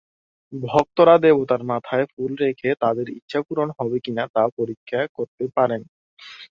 ভক্তরা দেবতার মাথায় ফুল রেখে তাদের ইচ্ছা পূরণ হবে কিনা তা পরীক্ষা করতে পারেন।